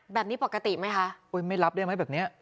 แบบนี้ปกติไหมคะอุ้ยไม่รับได้ไหมแบบเนี้ย